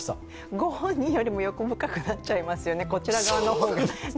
ご本人よりも欲深くなっちゃいますよね、こちら側の方が。